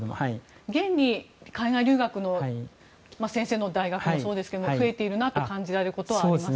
現に海外留学の先生の大学もそうですけど増えているなと感じられますか。